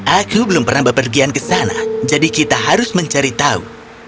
aku belum pernah berpergian ke sana jadi kita harus mencari tahu